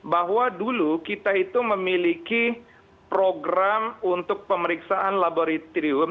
bahwa dulu kita itu memiliki program untuk pemeriksaan laboratorium